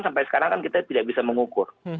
sampai sekarang kan kita tidak bisa mengukur